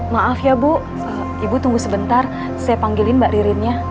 maaf ya bu ibu tunggu sebentar saya panggilin mbak ririnnya